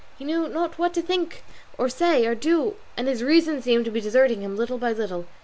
He knew not what to think, or say, or do, and his reason seemed to be deserting him little by little.